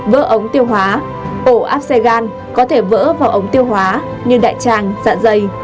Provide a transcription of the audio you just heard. vỡ ổ áp xe gan có thể vỡ vào ổ áp xe gan như đại tràng dạ dày